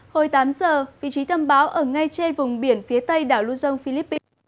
hồi tám giờ vị trí tâm bão ở ngay trên vùng biển phía tây đảo luzon philippines